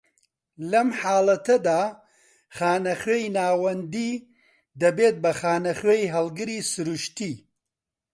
لەم حاڵەتەدا، خانە خوێی ناوەندی دەبێت بە خانی خوێی هەڵگری سروشتی